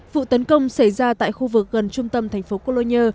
vụ tấn công xảy ra tại khu vực gần trung tâm thành phố cologne